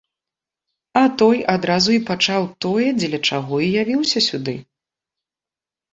А той адразу і пачаў тое, дзеля чаго і явіўся сюды.